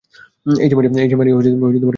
এইযে মারিয়া, কেমন আছো?